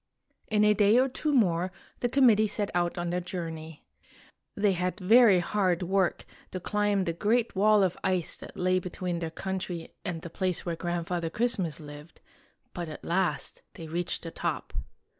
In a day or two more the committee set out on their journey. They had very hard work to climb the great wall of ice that lay between their country and the place where Grand father Christmas lived, but at last they reached the top.